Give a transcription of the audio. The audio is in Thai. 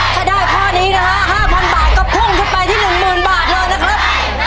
ถ้าได้ข้อนี้นะฮะ๕๐๐บาทก็พุ่งขึ้นไปที่๑๐๐๐บาทเลยนะครับ